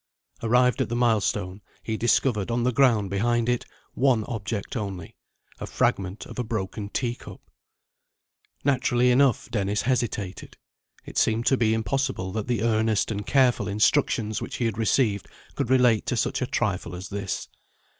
Arrived at the milestone, he discovered on the ground behind it one Object only a fragment of a broken tea cup. Naturally enough, Dennis hesitated. It seemed to be impossible that the earnest and careful instructions which he had received could relate to such a trifle as this.